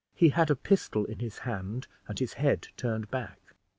He had a pistol in his hand, and his head turned back.